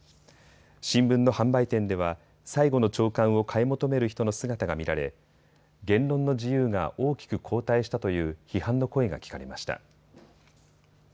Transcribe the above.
新聞の販売店では最後の朝刊を買い求める人の姿が見られ言論の自由が大きく後退したという批判の声が聞かれました。